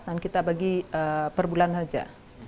dan kita bagi per bulan saja